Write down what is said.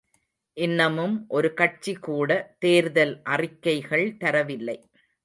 இன்னமும் ஒரு கட்சி கூட தேர்தல் அறிக்கைகள் தரவில்லை.